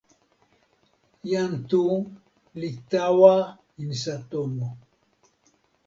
jan Tu li tawa insa tomo.